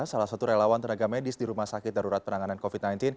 salah satu relawan tenaga medis di rumah sakit darurat penanganan covid sembilan belas